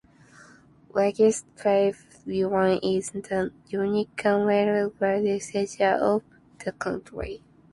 Legislative Yuan is the unicameral legislatures of the country.